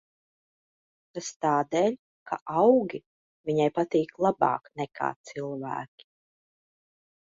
Tas tādēļ, ka augi viņai patīk labāk nekā cilvēki.